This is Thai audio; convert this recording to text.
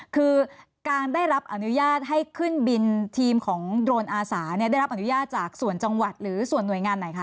คือการได้รับอนุญาตให้ขึ้นบินทีมของโดรนอาสาได้รับอนุญาตจากส่วนจังหวัดหรือส่วนหน่วยงานไหนคะ